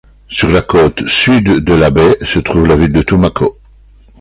Sur la côte sud de la baie se trouve la ville de Tumaco.